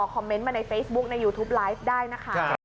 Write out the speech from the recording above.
คอมเมนต์มาในเฟซบุ๊คในยูทูปไลฟ์ได้นะคะ